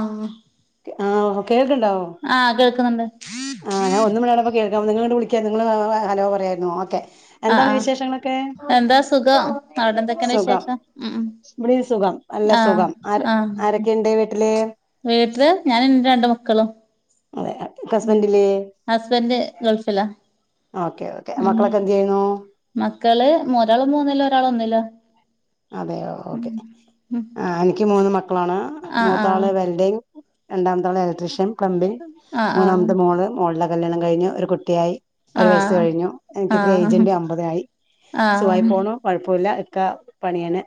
ആഹ് ആഹ് ഓ കേൾക്കുണ്ടാവോ കേൾക്കുന്നുണ്ട് ആഹ് ഞാൻ ഒന്ന് മണിയാണ കേൾക്ക നിങ്ങൾ ഇങ്ങോട്ട് വിളി ച്ചേ നിങ്ങൾ ഹലോ പറയമായിന്നോ ഓക്കെ ആഹ് എന്താണ് ആഹ് വിശേഷങ്ങളൊക്കെ എന്താ സുഖം അവിടെ എന്തൊക്കെയാണ് സുഖം വിശേഷം ഉം ഉം ഇവിടെയും സുഖം നല്ല ആഹ് സുഖം ആര് ആഹ് ആരൊക്കെ ഉണ്ട് വീട്ടില് വീട്ടില് ഞാനും എന്റെ രണ്ട് മക്കളും അതെ ഉം ഹസ്ബൻഡില്ലേ ഹസ്ബനൻഡ് ഗൾഫിലാ ഓക്കെ ഓക്കെ ഉം മക്കളൊക്കെ എന്ത് ചെയ്യുന്നു മക്കള് ഒരാള് മുന്നില് ഒരാളൊന്നിലാ അതെയോ ഓക്കെ ആഹ് എനിക്ക് മൂന്ന് മക്കളാണ് ആഹ് മൂത്താള് വെൽഡിങ് രണ്ടാമത്താള് ഇലക്ട്രീഷ്യൻ പ്ലംബിംഗ് ആഹ് മൂന്നാമത്തെ മോള് മോളുടെ കല്യാണം കഴിഞ്ഞ് ഒരു കുട്ടിയായി ഒരു വയസ് ആഹ് കഴിഞ്ഞു ആഹ് എനിക്ക്ത്ര ആഹ് ഏജന്റ് അമ്പതിനായി സുഖായി ആഹ് പോണ് കൊഴപ്പില്ല ക്കെ പണിയാണ്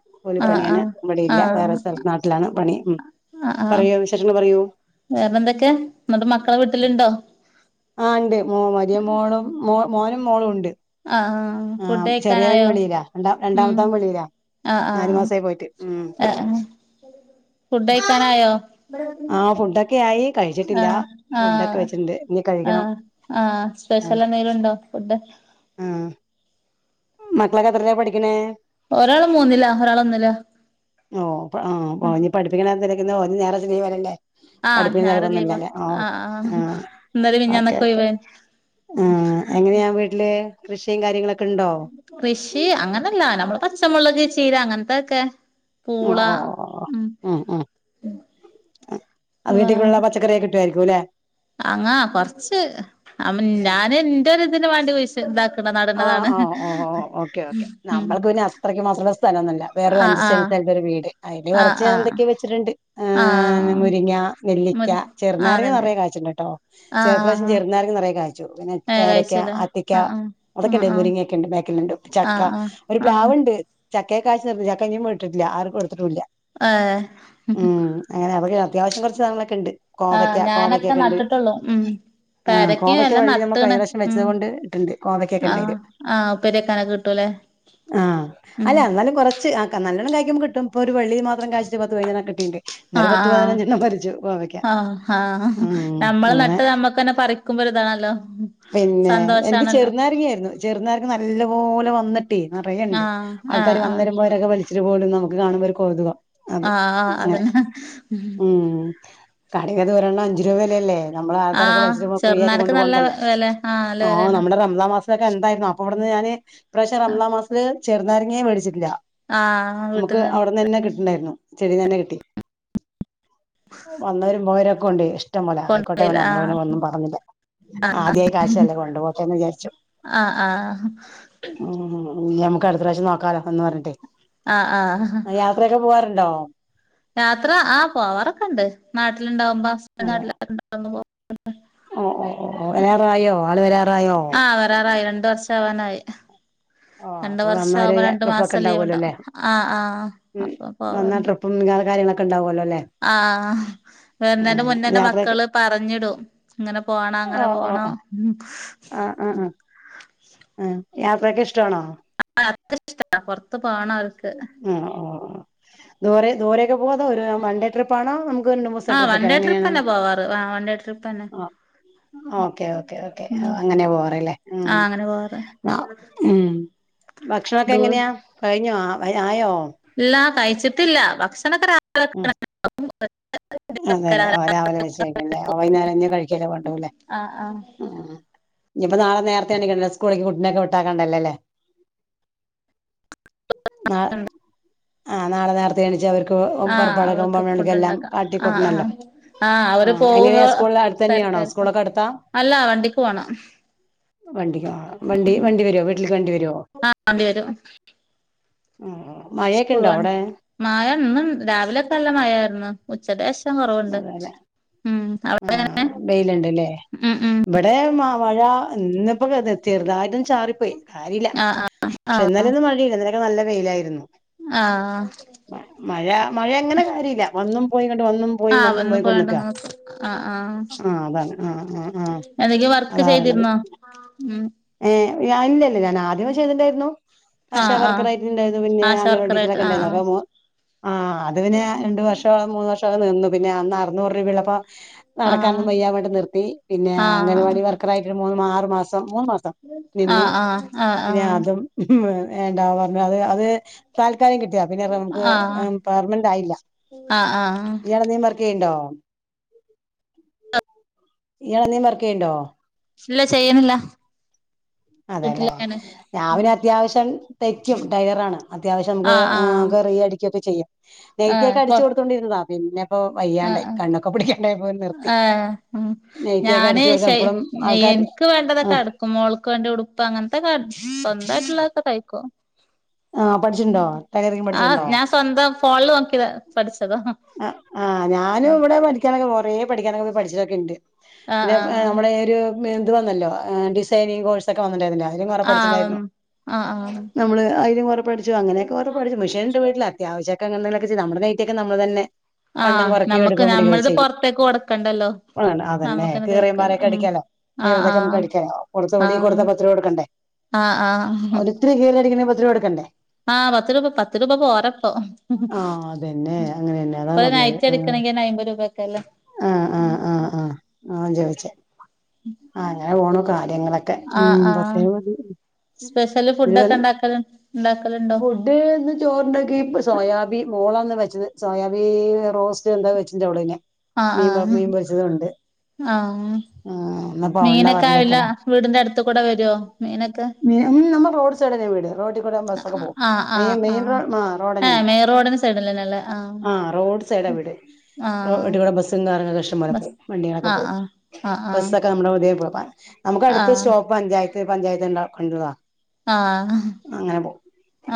ആഹ് ആഹ് കുലിപ്പണിയാണ് ആഹ് ഇവിടെ ഇല്ല വേറെ ആഹ് സ്ഥലത്ത് നാട്ടിലാണ് പണി ഉം ആഹ് ആഹ് പറയൂ വിശേഷങ്ങൾ പറയൂ വേറെ എന്തൊക്കെ എന്നിട്ട് മക്കളെ വീട്ടിലുണ്ടോ ആഹ് ഉണ്ട് മോ വലിയ മോളും മോനും മോളും ഉണ്ട് ആഹ് ആഹ് ആ ഫുഡ് ചെറിയവൻ കഴിക്കാനായോ വെളിയിലാ രണ്ടാ ഉം രണ്ടാമത്തവൻ വെളിയിലാ ആഹ് നാലു ആഹ് മാസായി പോയിട്ട് ഉം ആഹ് ഫുഡ് കഴിക്കാനായോ ആഹ് ഫുഡോക്കെ ആയി കഴിച്ചിട്ടില്ല ആഹ് ഫുഡൊക്കെ ആഹ് വെച്ചിട്ടുണ്ട് ഇനി കഴിക്കണം ആഹ് ആഹ് സ്പെഷ്യൽ എന്തെങ്കിലും ഉണ്ടോ ഫുഡ് ആഹ് മക്കളൊക്കെത്രലാ പഠിക്കണേ ഒരാള് മൂന്നിലാ ഒരാള് ഒന്നിലാ ഓ ആഹ് ഉം ഇനി പഠിപ്പിക്കണന്തേലും ഇന്ന് ഒരു നേരത്തിനീ വരില്ലേ ആഹ് പഠിപ്പി ഞായറ് ലീവാ തിരക്കൊന്നുംല്ലല്ലേ ആഹ് ആഹ് ഇന്നലിം ഓക്കെ മിഞ്ഞാന്നൊക്കെ ഓക്കെ ഒഴിവേനി ആഹ് എങ്ങനെയാ വീട്ടില് കൃഷിയും കാര്യങ്ങളൊക്കെ ഉണ്ടോ? കൃഷി അങ്ങനല്ലാ നമ്മൾ പച്ചമുളക് ചീര അങ്ങനത്തക്കെ ഓ പൂള ഓ ഓ ഉം ഉം അത് വീട്ടേക്കുള്ള പച്ചറിയൊക്ക കിട്ടുമായിരിക്കും അല്ലെ? അങ്ങാ കൊറച്ച് അവ ഞാൻ എന്റെ ഒരു ഇതിന് വേണ്ടി ഇതാ ആഹ് ഓ ഓ ഓക്കെ ഓക്കെ ഉം നമ്മൾക്ക് പിന്നെ അത്രക്ക് മാത്രം സ് സ്ഥംന്നല്ല വേറും ആഹ് അഞ്ചസെന്റ്‌ ആഹ് സ്ഥലത്ത് ഒരു വീട് അതില് ആഹ് ആഹ് കുറച്ച്ന്തൊക്കെ വച്ചട്ടുണ്ട് ആഹ് മുരിങ്ങ ങ്ങ നെല്ലിക്ക മത് ചെറു നാരങ്ങ ആണല്ലേ നിറെ കായിച്ചുണ്ട് കേട്ടോ ഈ ആഹ് പ്രാവശ്യം ചെറു നാരങ്ങ നിറെ കായിച്ചു പിന്നെ പേര ചെല ആഹ് ആഹ് അതൊക്കെണ്ട് ആഹ് മുരിങ്ങിയൊക്കെ ഉണ്ട് ബാക്കിലുണ്ട് ആഹ് ചക്ക ആഹ് ഒരു ആഹ് ആഹ് പ്ലാവ്ണ്ട് ചക്ക [unintelligible] ട്ടില്ല ആർക്കും കൊടുത്തിട്ടില്ല ഏഹ് ഉം അങ്ങനെ അവിടെ അത്യാവശ്യം കുറച്ച് സാധനങ്ങളൊക്കെ ഉണ്ട് ആഹ് കോവയ്ക്ക ഞാനൊക്കെ കോവയ്ക്കൊക്കെ ഉണ്ട് നട്ടിട്ടുള്ളൂ ഉം ആഹ് പേരക്കയും കോവയ്ക്ക് എല്ലാം വള്ളി നമുക്ക് കഴിഞ്ഞാ നട്ട്ണ് പ്രാവശ്യം ഉം വച്ചത് കൊണ്ട് ഇണ്ട് കോവക്കൊക്കെ ആഹ് ഉണ്ടാല് ആഹ് ഉപ്പേരിവെക്കാനൊക്കെ കിട്ടൂലേ ആഹ് ഉം അല്ല എന്നാലും കുറച്ച് ആഹ് ആഹ് നല്ലോണം കഴിക്കപ്പം കിട്ടും ഇപ്പോ ഒരു വള്ളി മാത്രം കായിച്ചപ്പോ പത്ത് പതിഞ്ചനൊക്കെ കിട്ടീട്ടുണ്ട് ആഹ് ആഹ് ആഹ് ഉം നമ്മൾ അങ്ങനെ നട്ട് നമ്മക്ക് പറിക്കുമ്പോ താണല്ലോ സന്തോഷാണ് ചെറുനാരങ്ങ ആയിരുന്നു ചെറുനാരങ്ങ നല്ല പോലെ വന്നിട്ടേ നിറയുണ്ട് ആഹ് ആഹ് ആൾക്കാര് ആഹ് വരുന്നോരും മ്പോന്നൊരൊക്കെ വലിച്ചു പോലും നമുക്ക് അത് കാണുമ്പോ ഒരു കൗതുകം അതേ ആഹ് ആഹ് അങ്ങനെ അതന്നെ ഉം കടയിൽ ഒരെണ്ണം അഞ്ച് രൂപ വിലയല്ലേ നമ്മളെ ആൾക്കാരൊക്കെ ആഹ് [unintelligible] ഫ്രീ ആയിട്ട് ചെറുനാരക്ക് കൊണ്ട് നല്ല പോണ്ടതല്ലേ വെല നല്ല ആഹ് വെലേണ് നമ്മുടെ റമളാൻ മസൊക്കെ എന്തായിരുന്നുഅപ്പൊ ഇവിടുന്ന് ഞാൻ ഇപ്രാവശ്യം ആ റമളാൻ മാസം ചെറുനാരങ്ങേ മേടിച്ചിട്ടില്ല ആഹ് നമുക്ക് വീട്ടിന്ന് അവിടന്ന് തന്നെ കിട്ടേ ഉണ്ടർന്നു കിച്ചണിൽ തന്നെ കിട്ടി വന്നവരും പോയൊരൊക്കെ കൊണ്ടോയി ഇഷ്ടം പോല ആയിക്കോട്ടെ അവനെ കൊണ്ടോയില്ല നമ്മട് ഒന്നും പറഞ്ഞില്ല ആദ്യ ക്യാഷ് അല്ലെ കൊണ്ട് പോക്കട്ടെ ന്നു വിചാരിച്ചു ആഹ് ആഹ് ഞമക്ക് അടുത്ത പ്രാവശ്യം നോക്കാലോ എന്ന് പറഞ്ഞിട്ടേ ആഹ് ആഹ് ആഹ് യാത്രയക്കെ പോവാറുണ്ടോ യാത്ര ആഹ് പോവാറൊക്കെ ഉണ്ട് നാട്ടിലുണ്ടാവുമ്പോ ഓ ഹസ്ബൻഡ് നാട്ടിലുണ്ടാവുമ്പോ ഓ ഓ ഓ വരാറായോ ആള് വരാറായോ? ആഹ് വരാറായി രണ്ട് വർഷാവാനായി. ഓ രണ്ട് അപ്പൊ വർഷം വന്നൊരു ആകുമ്പോ രണ്ടു ട്രിപ്പൊക്കെ മാസം ലീവ് ഉണ്ടാവല്ലോ അല്ലേ ഉണ്ടാവും ആ ആ അപ്പൊ പോവാറുണ്ട്. [unintelligible] കാര്യങ്ങള ആഹ് വെരുന്നേന്റെ ഉം മുന്നേ് യാത്രയൊക്കെ മക്കള് പറഞ്ഞിടും ഇങ്ങനെ പോണ അങ്ങനെ പോണം ആഹ ആ ആ ആ യാത്രൊക്കെ ഇഷ്ടണോ യാത്ര ഇഷ്ട പുറത്ത് പോണം അവർക്ക് ദു ദുരെക്കെ പോവാ തോ ഒരു വൺഡേ ട്രിപ്പണോ നു രണ്ട് മൂസ ആഹ് വൺ ട്രിപ്പൊക്കെ ഡേ എങ്ങനെയാണ് ട്രിപ്പന്നെ പോവാറ് ആഹ് വൺ ഡേ ട്രിപ്പന്നെ ആ ഓക്കേ ഓക്കേ ഓക്കേ ഉം അങ്ങനെ പോവാറല്ലേ ഉം ആഹ് അങ്ങനെ പോവാറ് ആ ഉ ഭക്ഷണൊക്കെ ദൂ എങ്ങനെയാ കഴിഞ്ഞോ ആയോ ഇല്ല കഴിച്ചിട്ടില്ല ഭക്ഷണ [inaudible] അതെല്ലെ രാവിലെ വെച്ച കഴരിക്കല്ലേ വൈകുന്നരം ഇഞ് കഴിക്കൻ ഇള്ളത് കൊണ്ട [unintelligible] ആഹ ഇഞ്ഞപ്പോ നാളെ നേരത്തെ എണിക്കണ സ്കൂളക്ക് കുട്ടിനൊക്കെ വിട്ടാക്കാണ്ടല്ലേല്ലേ ന ആ നാളെ നേരത്തെ എണച്ച് അവർക്ക് ആഹ് അവർക്ക് ഫുഡ് പറപ്പടക്കുമ്പക്കെല്ലാം ഉണ്ടാക്കാം ആഹ് കാട്ടിക്കൊട്ടണല്ലോ ആഹ് ആഹ് അവര് ആ പോകുമ്പോ എങ്ങനെയാ സ്കൂളിൽ അടുത്ത് തന്നെയാണോ തിരക്കായിരിക്കും സ്കൂളക്കെടുത്താ അല്ല വണ്ടിക്ക് പോണം വണ്ടിക്കാ വണ്ടി വണ്ടി വരുവോ വീട്ടിലക്ക് വണ്ടി വരുവോ ആഹ് വണ്ടി വരും ആ മഴയൊക്കെ ഉണ്ടോ അവിടെ [unintelligible] മഴ ഇന്ന് രാവിലെ നല്ല മഴായിരുന്നു ഉച്ചക്കെഷം കുറവുണ്ട് ഉ ആഹ വെയില്ണ്ട്ല്ലേ ഉം ഇവിടെ മഴ ഇന്നിപ്പോ ചെറുതായിട്ടൊന്ന് ചാറിപ്പോയി കാര്യമില്ല ആഹ് ആഹ് പക്ഷെ ആഹ് ഇന്നലെ ഒന്നും മഴയില്ല ഇന്നലൊക്കെ നല്ല വെയിലായിരുന്നു ആഹ് മഴ മഴ എങ്ങനെ കാര്യല്ല വന്നും പോയി വന്നും പോയി വന്നും പോയി കൊണ്ട്ക്ക ആഹ ആ ആ ആ അതാറണത് ചെയ്തിരുന്നോ ഉം ഏ ഇല്ലല്ല ഞാൻ അ ചെയ്തിട്ടണ്ടായിരുന്നു ആഹ് ആശാവർക്കർ ആഹ് ആയിട്ടുണ്ടായിരുന്നു പിന്നെ ആശാ അംഗൻവാടി വർക്കറായിട്ട് ടീച്ചറൊരക്കെ ആഹ് ഉണ്ടായിരുന്നു [inaudible] ആഹ് അത് പിന്ന രണ്ട വർഷോ മൂന്ന് വർഷോ നിന്നു പിന്നെ അന്ന് അറുന്നൂറ് രൂപ ഉള്ളപ്പോ ആഹ് ആഹ് നടക്കാനും വയ്യവോണ്ട് നിർത്തി പിന്നെ ആഹ് അംഗൻവാടി വർക്കർ ആയിട്ട് ഒരു മൂന്ന് ആറു മാസം മൂന്ന് നിന്നു ആഹ് ആഹ് പിന്നെ ആഹ് അതും എഹ് പറഞ്ഞ അത് അത് [inaudible] കാര്യം കിട്ടിയ പിന്നെ നമുക്ക് ആഹ് ആഹ് പെർമനന്റ് ആയില്ല ആഹ് ആഹ് ഇയാൾ എന്തെങ്കിലും വർക്കെയുണ്ടോ ഇയാൾ എന്തേലും വർക്കെയ്‌ണ്ടോ? ഇല്ല ചെയ്യണില്ല അതെല്ലേ വീട്ടിലാണ് ഞാ പിന്നെ അത്യാവശ്യം തൈക്കും ടൈലറാണ് അത്യാവശ്യം ആഹ് ആഹ് നമുക്ക് [unintelligible] യടിക്കൊക്ക ചെയ്യും നൈറ്റി ആഹ് ഒക്കെ പൊ അടിച്ച് കൊടുത്തോണ്ടിരുന്നതാ പിന്നെ ആഹ് വയ്യാണ്ടായി ആഹ് കണ്ണക്കെ പിടിക്കണ്ടായപ്പോ നിർത്തി ഏഹ് ഉം നെയ്റ്റി ഒക്കെ ഞാന് അടിച്ചു കൊടുക്കാൻ ശെ ഇപ്പഴും ആൾക്കാർ എനിക്ക് വേണ്ടതൊക്കെ അടുക്കും മോൾക്ക് വേണ്ടി ഉടുപ്പ് അങ്ങനത്തെൊക്കെ സ്വന്തമായിട്ടുള്ളതൊക്കെ തയ്ക്കും. ആ പഠിച്ചിട്ടുണ്ടോ ടൈലറിങ് ആ പഠിച്ചിട്ടുണ്ടോ ഞാൻ സ്വന്തം ഫോണിൽ നോക്കി പഠിച്ചത ആ് ആ് ഞാനും ഇവിടെ പഠിക്കാനൊക്കെ ഒറേ പഠിക്കാനൊക്കെ പോ പഠിച്ചിട്ടൊക്കെ ഇണ്ട് ആഹ് പിന്നെ ആഹ് നമ്മള ഒരു ഇത് വന്നല്ലോ ഡിസൈനിങ് കോഴ്സ് ഒ വന്നിണ്ടായിർന്നില്ലേ അതിലും കുറെ ആഹ് പഠിച്ചിണ്ടായിരുന്നു ആഹ് ആഹ് നമ്മള് അതിലും കുറെപ്പടിച്ചു അങ്ങനൊക്കെറപ്പടിച്ചു മഷീൻണ്ട് വീട്ടില് അത്യാവശ്യം അങ്ങനെ എന്തെങ്കിലും ഒക്കെ ചെയ്ത് നമ്മളെ നൈറ്റി ഒക്കെ നമ്മൾ തന്നെ വണ്ണം ആഹ് കുറക്കോ നമുക്ക് എടുക്കോ മടിക്കോ നമ്മളത് ചെയ്യും പൊറത്തേക്ക് കൊടുക്കണ്ടല്ലോ ആണ് അതന്നെ നമുക്കന്നെ കീറിയ തയ്ക്കാലോ പാറൊക്കെ ഉം അടിക്കാലോ ആഹ് കീറിയതൊക്ക ആഹ് നമുക്ക് അടിക്കാലോ കൊടുത്ത വെളിയിൽ ആഹ് കൊടുത്ത പത്ത് രൂപ കൊടുക്കണ്ടേ ആഹ് ഒത്തിരി കീറി അടിക്കണേൽ പ കൊടുക്കണ്ടേ? ആ പത്ത് രൂപ പത്ത് രൂപ പോരപ്പം. ആഹ് അതന്നെ അങ്ങനെന്നെ അതാ ഇപ്പൊ പറഞ്ഞത് നയ്റ്റി ആഹ് അടിക്കണെങ്കി ന്നെ അയ്മ്പത് രൂപക്കല്ലേ. [inaudible] ആഹ് ആഹ് ആഹ് ആഹ് ചോദിച്ചേ ആ അങ്ങനെ പോണു കാര്യങ്ങളൊക്കെ ഉം ആഹ് ആഹ് പ്രത്യേ സ്പെഷ്യല് ഫുഡ്ഡോക്കെ ണ്ടാക്കല് ഫുഡ് ഇന്ന് ചോർണ്ടെങ്കി ഇ സോയാബി മോളന്ന് വ ഇന്ന് സോയാബീ റോസ്റ്റ് എന്താ വെച്ചിണ്ട് അവളെന്നെ ആഹ് മീൻ വ ആഹ് മീൻപൊരിച്ചതുണ്ട്. ആഹ്. അവളെ മീനൊക്കെ കറി ആയിലെ വെക്കലാ വീടിന്റെ അടുത്ത് കൂടെ വരോ? മീനൊക്കെ. വ്ടെ റോ ബസ്സൊക്കെ ആഹ് പോവും ആഹ് ആഹ് [unintelligible] ആ ഏഹ് റോഡെന്നേണ് മെയിൻ റോഡിന് സൈഡിലന്നെല്ലേ ആഹ് ആ റോഡ്സൈഡ് വ്ടെ ആഹ് റോട്ട് ക്കൂടെ ബസ്സും കാറൊക്കെ ഇഷ്ട്ടംപ്പോലെ ബസ് പോവും വണ്ടികളൊക്കെ ആഹ് പോവും ആഹ് ആഹ് ബസ്സൊക്കെ മ്മള് [unintelligible] നമുക്ക് അടുത്ത് ആഹ് സ്റ്റോപ്പ് പഞ്ചായത്ത് പഞ്ചായത്ത്ണ്ട കണ്ടതാ. ആഹ്.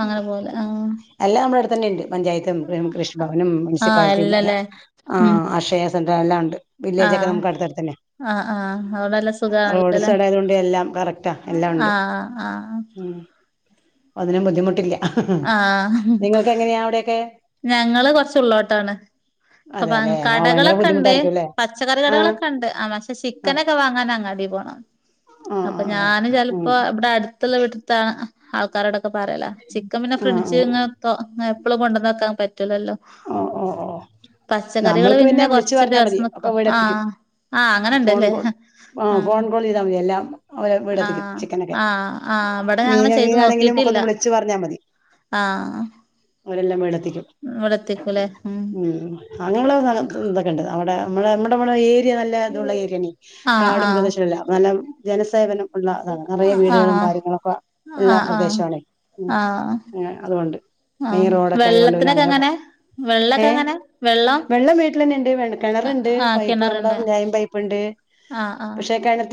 അങ്ങനെ പോവല് ആഹ് അല്ല. മ്മളെട്ത്തന്നെണ്ട് പഞ്ചായത്തും, മ് കൃഷിഭവനും, ആഹ് മുൻസിപ്പാലിറ്റിയും, എല്ലാ എല്ലല്ലേ ആ ഉം അക്ഷയസെ എല്ലാംണ്ട് വില്ലേജൊക്കെ ആഹ് നമ്മക്ക് അടുത്തടുത്തന്നെ. ആഹ് ആഹ് അവിടെ നല്ല റോഡ് സുഖാണല്ലോല്ലേ സൈഡായതൊണ്ട് എല്ലാം കറക്റ്റാ എല്ലാം ഉണ്ട് ആഹ് ആഹ് ഉം. അതിനും ബുദ്ധിമുട്ടില്ല. ആഹ് നിങ്ങൾക്ക് എങ്ങനെയാ അവിടെയൊക്കെ ഞങ്ങള് കൊറച്ചുള്ളോട്ടാണ്. അതെല്ലെ [unintelligible] ആ ഭയങ്കര കടകളൊക്കെ ണ്ട് ബുദ്ധിമുട്ടായിരിക്കും അല്ലേ പച്ചക്കറി ആഹ് കടകളൊക്കെ ണ്ട് ആ പഷെ ആഹ് ചിക്കനൊക്കെ വാങ്ങാൻ അങ്ങാടി പോണം അപ്പൊ ആഹ് ആഹ് ഞാന് ഉം ചെൽപ്പൊ ബ്ടെ അട്ത്തുള്ള വീട്ട്ത്തെ അ ആൾക്കാരോടൊക്കെ പറിയലാ ചിക്കൻ പിന്നെ ആഹ് ഫ്രിഡ്ജ് ആഹ് ഇങ്ങ തൊ ങ്ങപ്പളു കൊണ്ടന്നക്കാൻ പറ്റ് ഓ ഓ ഓ പച്ചക്കറികള് നമ്മൾക്ക് പിന്നെ വിളിച്ചു കൊറച്ച് പറഞ്ഞാ മതി ദിവസം ഒക്കെ നിക്കും വീടെത്തിക്കും. ആഹ് ആഹ് ഫോൺ അങ്ങനെണ്ടല്ലേ കോൾ ആ ഫോൺ ആഹ് കോള് ചെയ്തമതി എല്ലാ ആഹ് ആ ആ ഇവിടെ ഞാ അങ്ങനെ മീന് ചെയ്ത് മീനാണെങ്കിലും ഒക്കെ നോക്കിട്ടില്ല. ഒന്ന് വിളിച്ചു ആഹ്. ഓലെല്ലാ വീടെത്തിക്കും ഉം അങ്ങനെള്ളെ [unintelligible] തക്കണ്ട്. നമ്മള നമ്മുടെ വ്ടെ ഏരിയ നല്ല ഇതുള്ള ഏരിയാണെ ആഹ് കാടും പ്രദേശവുംല്ലാം നല്ല ജനസേവനം. ഉള്ള താണ് നെറയ ആഹ് ആഹ് വീടുകളും കാര്യങ്ങളൊക്കെ. ഉള്ള ആഹ് ആഹ് പ്രദേശമാണേ ഉം ആഹ് അതുകൊണ്ട്. മെയിൻ ആഹ് റോഡൊക്കെ ആയതുകൊണ്ട് പിന്നെ വെള്ളത്തിനൊക്കെ അങ്ങനെ എങ്ങനെ പോവും. ഏ വെള്ളൊക്കെ എങ്ങനെ വെള്ളം വീട്ടിലെനെണ്ട് വെ കെണറ്ണ്ട് ആഹ് പൈപ്പ് നമ്മട കിണറുണ്ട് ലൈൻ പൈപ്പ്ണ്ട്. ആഹ് ആഹ്.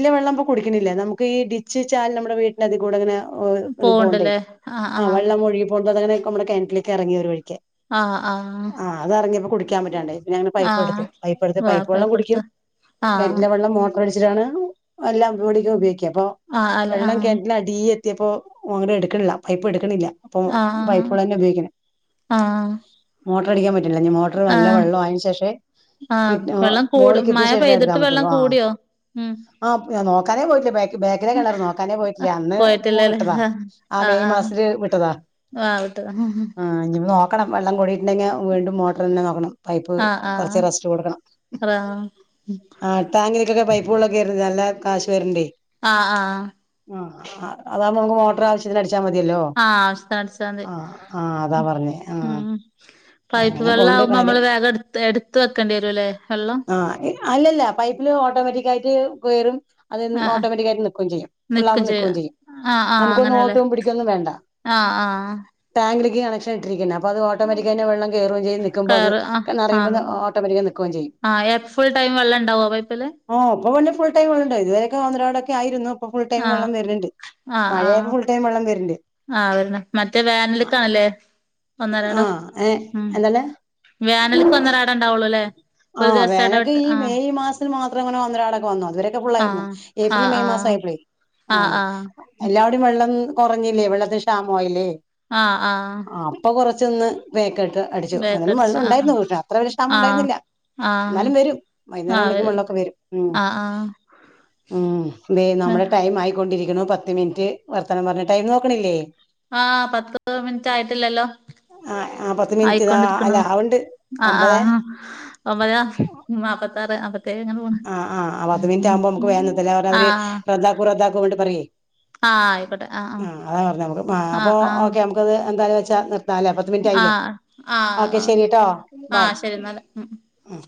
റ്റിലെ വെള്ളംപ്പൊ കുടിക്ക്ണില്ല നമുക്ക് ഈ ഡിച്ച്ചാൽ നമ്മടെ വീട്ടിന്റെതിക്കൂടെ ങ്ങനെ. ഓവ്ൽ ഇത് പോണ്ടേ പോവ്ണ്ട്ല്ലേ ആഹ് ആ ആഹ് വെള്ളം ഒഴുകി പോകുമ്പത്തന്നെ നമ്മുടെ കിണറ്റിലേക്ക് എറങ്ങി ഒരുവഴിക്കേ ആഹ് അത് അറിഞ്ഞപ്പോ കുടിക്കാൻ പറ്റാണ്ടായി പിന്നങ്ങനെ ആഹ് പൈപ്പെടുത്തു പൈപൊടുത്ത് പൈപ്പ് വെള്ളം വാപ്പയപ്പെടുത്ത കുടിക്കും. ആഹ് കെൻറ്റിലെ വെള്ളം മോട്ട്റടിച്ചിട്ടാണ്. എല്ലാം വീടിക ഉപയോഗിക്ക അപ്പൊ ആഹ് അല്ല വെള്ളം ആഹ് കെൻറ്റിലടീഎ ത്തിയപ്പോ ഒ അങ്ങട് എടുക്ക്ണില്ല പൈപ്പ് എടുക്ക്ണില്ല അപ്പൊ ആഹ് പൈപ്പുവെള്ളന്നെ ഉപയോഗിക്ക്ണെ. ആഹ് മോട്ട്ർ അടിക്കാൻ പറ്റ്ണില്ല ഞ് മോട്ട്ർ നല്ല ആഹ് വെള്ള ആയിന് ശേഷവെ. ആഹ് വിട്ട് വെള്ളം കൂടും മോളിക്ക് എത്തിയ മഴ ശേശെ ഇട്ക്കാൻ പെയ്തിട്ട് വെള്ളം പറ്റൊള്ളു ആ കൂടിയോ ഉം ആ ഞാ നോ ക്കടെ പോയ്ട്ടില്ല ബേ ബേക്കിലെ കെണർ നോക്കാനെ പോയിറ്റ്ല്യാ ആഹ് അന്ന് മു പോയിട്ടില്ലല്ലേ വിട്ടതാ ആ ആഹ് മെയ് ആഹ് മാസ്ൽ വിട്ടതാ. ആഹ് ആഹ് വിട്ടു ആ ഞ്പ്പൊ നോക്കണം വെള്ളം കൂടിട്ട്ണ്ടെങേ വീണ്ടും മോട്ട്റന്നെ നോക്കണം. പൈപ്പ് ആഹ് ആഹ് കൊറച്ച് റസ്റ്റ് കൊടുക്കണം. റ ആഹ് ആ ടാങ്കില്ക്കൊക്കെ പൈപ്പ് വെള്ളം കേര്ണത് ന്നല്ല കാശ് വര്ണ്ടെ. ആ ആ ആഹ്. അ ആ അതാവുമ്പ മ്മക്ക് മോട്ട്ർ ആവശ്യത്തിനടി ച്ചാ മതിയല്ലോ ആവശ്യത്തിന് അടിച്ചാ മതി ആ ആഹ് അതാ പറഞ്ഞേ. ആ ഉം പൈപ്പ് അങ്ങനെ വെള്ളം പോണ്ട് ആവുമ്പോ കാര്യം നമ്മള് വേഗം എടുത്ത് എടുത്ത് വെക്കണ്ടിവരും ല്ലേ വെള്ളം ആ അല്ലല്ല പൈപ്പില് ഓട്ടോമാറ്റിക്കായിട്ട് വേറും അതെന്നും ആഹ് ആഹ് ഓട്ടോമാറ്റിക്കായിട്ട് ന്നിക്കും ചെയ്യും ഫുള്ളാവുമ്പ ന്നിക്കും ചെയ്യും ആഹ് ആഹ് നമുക്കൊന്ന് അങ്ങനെല്ലേ ഓട്ടോമ് പിടിക്കൊന്നും വേണ്ട ആഹ് ആഹ് ട്ടാങ്കിലിക്ക് കണക്ഷൻ ഇട്ടിരിക്കുന്നെ അപ്പം അത് ഓട്ടോ മാറ്റിക്കയ്ന്റെ വെള്ളം കേറും ചെയ്യും നിക്കുമ്പത് കയറ് ക നറയുമ്പത് ഓട്ടോമാറ്റിക്കായി നിക്കും ചെയ്യും ആ എർ ഫുൾ ടൈം വെള്ളംണ്ടാവോ പൈപ്പില് ഓ ഓല് ഫുൾ ടൈ വെള്ളണ്ടയ് ഇതുവരെക്കെ ഒന്നരാടൊക്കെ ആയിരുന്നു ഇപ്പഫുൾ ടൈം ആഹ് വെള്ളം വെര്ന്ണ്ട് മഴയായപ്പോ ഫുൾ ടൈം വെള്ളം വെര്ണ്ട് ആ വര്ന്ന് മറ്റേ വേനൽക്കാലെ ആഹ ഏ എന്താലേ നൽക്കൊന്നരാ ആ വേനക്കെ ഈ ആഹ് മെയ് മാസത്തിൽ മാത്രം ങ്ങനെ ഒന്നരാടം ഒക്കെ വന്നു അതുവരൊക്കെ ഫുള്ളയിരുന്നു ആഹ് ഏപ്രിൽ ആഹ് മെയ് മാസം ആയപ്പളേ ആഹ് ആ ആഹ് ആഹ് എല്ലാവടേം വെള്ളം കൊറഞ്ഞില്ലേ വെള്ളത്തിന് ക്ഷാമോയില്ലേ ആഹ ആഹ് ഒന്ന് ബേക്കോട്ട് അടിച്ചു എന്നാലും ബേക്കടിച്ച വെള്ളം ആഹ് ഉണ്ടായിരുന്നു ക്ഷ അത്ര വല്യ ക്ഷാമം ആഹ് ഉണ്ടായിരുന്നില്ല ആഹ് എന്നാലും വരും വൈന്നേരം ആഹ് ആകുമ്പളെക്കും വരൽ വെള്ളൊക്കെ വരും ഉ ആഹ് ഉം തെ നമ്മടെ ആഹ് ടൈം ആയിക്കൊണ്ടിരിക്കുണു പത്ത് മിൻറ്റ് വർത്താനം പറഞ്ഞ ടൈംന്നോക്ക്ണില്ലേ ആഹ പത്ത്പ്പ മിൻറ്റ് ആയിട്ടില്ലല്ലോ ആ ആ പത്ത് മിനിറ്റ് ഇതാ അല്ല ആയിക്കൊണ്ടിരിക്കുന്നുള്ളു ആവണ്ട് ആ ഒമ്പത് ആ ഒമ്പതെ ന്നാപ്പത്താറ് അമ്പ തെ ഇങ്ങനെ പോണ് ആ ആ ആ പത്ത് മിനിറ്റ് ആകുമ്പോ നമുക്ക് വേഗം നിർത്തല്ലേ ആഹ ആഹ അതാ പറഞ്ഞ നമുക്ക് മാബോ ആഹ് ആഹ് ഓക്കെ നമുക്കത് എന്തായാ നാലെ പത്ത് മിനിറ്റ് ആയില്ലേ ആഹ് ആഹ് ഓക്കെ ശരി ആഹ് ട്ടോ ബൈ ആഹ് ശരി എന്നാല് ഉം ഉ